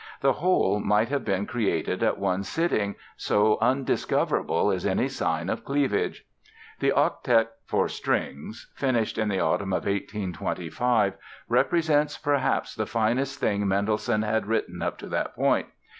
The whole might have been created at one sitting, so undiscoverable is any sign of cleavage. The Octet for strings, finished in the autumn of 1825 represents, perhaps, the finest thing Mendelssohn had written up to that point.